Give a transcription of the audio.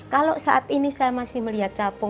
kalau saat ini saya masih melihat capung